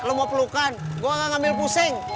lu mau pelukan gua gak ngambil pusing